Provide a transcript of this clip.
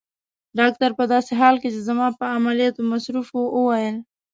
ډاکټر په داسې حال کې چي زما په عملیاتو مصروف وو وویل.